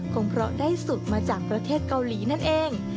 คงเพราะได้สูตรมาจากประเทศเกาหลีนั่นเอง